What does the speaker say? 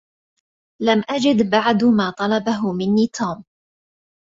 لم أجد بعد ما طلبه مني توم.